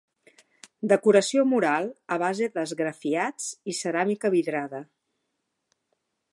Decoració mural a base d'esgrafiats i ceràmica vidrada.